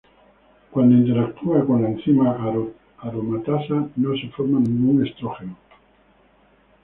Cuando interactúa con la enzima aromatasa no se forma ningún estrógeno.